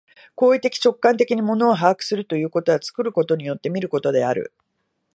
行為的直観的に物を把握するということは、作ることによって見ることである。